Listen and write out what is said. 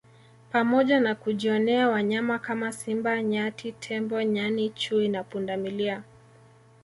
pamoja na kujionea wanyama kama Simba Nyati Tembo Nyani Chui na Pundamilia